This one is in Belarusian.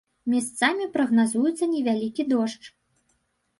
Месцамі прагназуецца невялікі дождж.